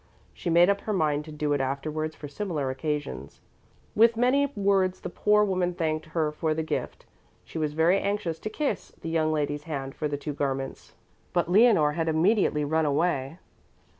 She made up her mind to do it afterwards for similar occasions. With many words the poor woman thanked her for the gift. She was very anxious to kiss the young lady's hand for the two garments, but Leonore had immediately run away.